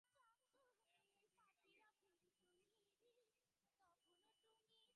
তাই আমার শুটিংয়ের আগে মশকনিধন ওষুধ নিয়ে সহকারীদের দৌড়ঝাঁপ ছিল দেখার মতো।